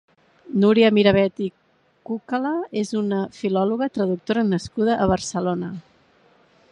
Núria Mirabet i Cucala és una filóloga i traductora nascuda a Barcelona.